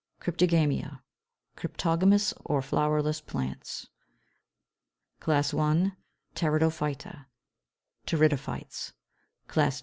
CRYPTOGAMIA: CRYPTOGAMOUS OR FLOWERLESS PLANTS. CLASS I. PTERIDOPHYTA, PTERIDOPHYTES (484). CLASS II.